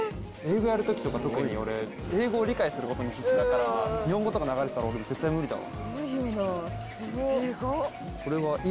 英語やる時とか特に俺英語を理解することに必死だから日本語とか流れてたら絶対無理だわ。